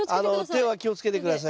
手は気をつけて下さいね。